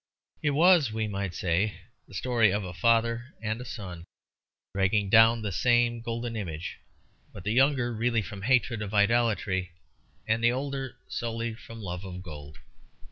It was, we might say, the story of a father and a son dragging down the same golden image, but the younger really from hatred of idolatry, and the older solely from love of gold.